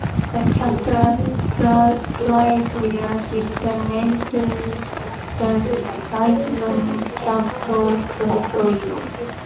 The "Castra Praetoria" give the name to the Rione Castro Pretorio.